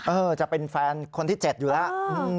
จะเป็นแฟนคนที่๗อยู่แล้ว